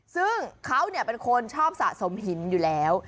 ซึ่งเขาเป็นคนชอบสะสมหินอยู่แล้ว